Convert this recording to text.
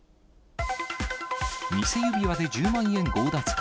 偽指輪で１０万円強奪か。